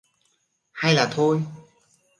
Hay là thôi...